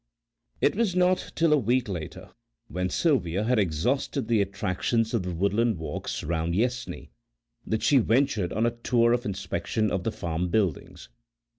It was not till a week later, when Sylvia had exhausted the attractions of the woodland walks round Yessney, that she ventured on a tour of inspection of the farm buildings.